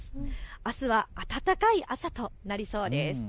あすは暖かい朝となりそうです。